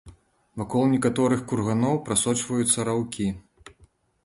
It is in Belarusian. Вакол некаторых курганоў прасочваюцца раўкі.